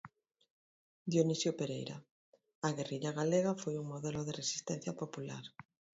Dionisio Pereira: "A guerrilla galega foi un modelo de resistencia popular".